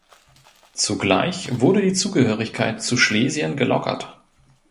Zugleich wurde die Zugehörigkeit zu Schlesien gelockert.